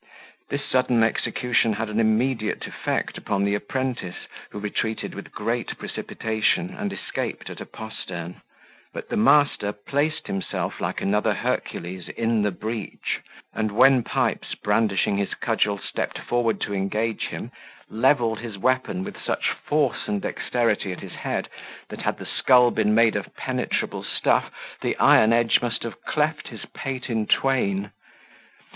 This sudden execution had an immediate effect upon the apprentice, who retreated with great precipitation, and escaped at a postern; but the master placed himself, like another Hercules, in the breach; and when Pipes, brandishing his cudgel, stepped forward to engage him, leveled his weapon with such force and dexterity at his head, that had the skull been made of penetrable stuff, the iron edge must have cleft his pate in twain.